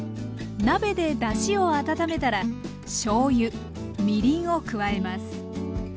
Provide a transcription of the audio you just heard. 鍋でだしを温めたらしょうゆみりんを加えます。